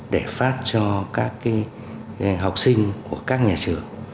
để phát cho các học sinh của các nhà trường